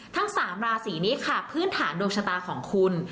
ทั้ง๓ราศีนี้ค่ะพื้นฐานดวงชะตาของคุณ